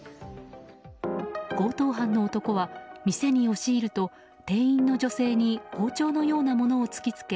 強盗犯の男は店に押し入ると、店員の女性に包丁のようなものを突き付け